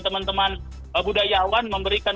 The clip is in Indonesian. teman teman budayawan memberikan